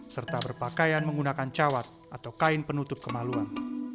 serta berpakaian menggunakan cawat atau kain penutup kemaluan